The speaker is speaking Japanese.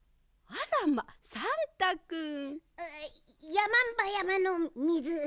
やまんばやまのみず。